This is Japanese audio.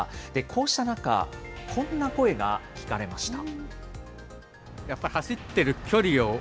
こうした中、こんな声が聞かれました。